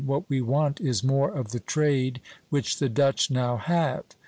What we want is more of the trade which the Dutch now have."